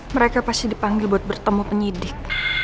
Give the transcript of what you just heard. mereka pasti dipanggil buat bertemu penyidik